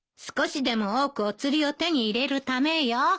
少しでも多くお釣りを手に入れるためよ。